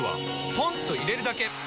ポンと入れるだけ！